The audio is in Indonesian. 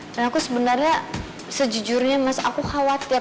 dan aku sebenarnya sejujurnya mas aku khawatir